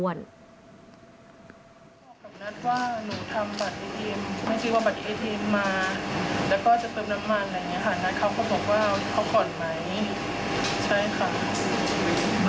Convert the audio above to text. หลังงานเขาก็บอกว่าเอาไปก่อนไหม